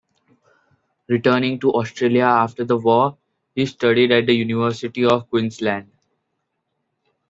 Returning to Australia after the War, he studied at the University of Queensland.